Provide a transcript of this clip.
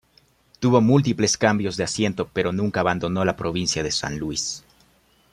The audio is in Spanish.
Tuvo múltiples cambios de asiento pero nunca abandonó la provincia de San Luis.